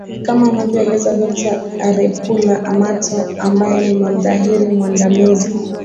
kama anavyoeleza dokta arupela mato ambaye ni mhadhiri mwandamizi